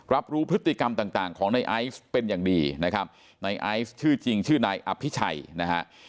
รับรู้พฤติกรรมต่างต่างของในไอซ์เป็นอย่างดีนะครับในไอซ์ชื่อจริงชื่อนายอภิชัยนะฮะ